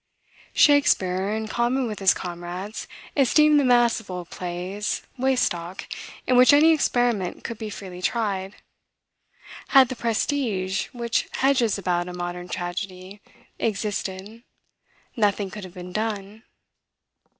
Shakspeare, in common with his comrades, esteemed the mass of old plays, waste stock, in which any experiment could be freely tried. Had the prestige which hedges about a modern tragedy existed, nothing could have been done.